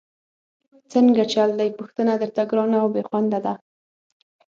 څنګه چل دی، پوښتنه درته ګرانه او بېخونده ده؟!